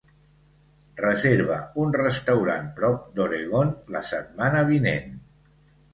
Reserva un restaurant prop d'Oregon la setmana vinent